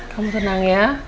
kamu tenang ya